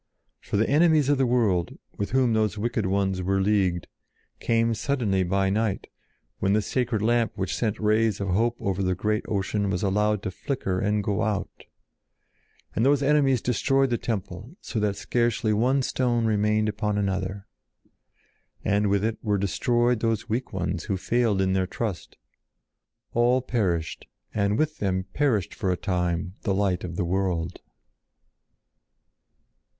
For the enemies of the world, with whom those wicked ones were leagued, came suddenly by night, when the sacred lamp which sent rays of hope over the great ocean was allowed to flicker and to go out. And those enemies destroyed the temple so that scarcely one stone remained upon another. And with it were destroyed those weak ones who failed in their trust. All perished and with them perished for a time the Light of the World.